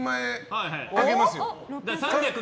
３００